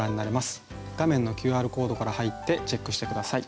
画面のＱＲコードから入ってチェックして下さい。